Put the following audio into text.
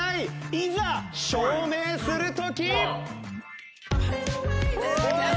いざ証明する時！